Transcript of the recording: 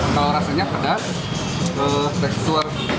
kalau rasanya pedas bestseller